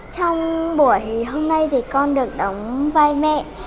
trong buổi hôm nay thì con được đóng vai mẹ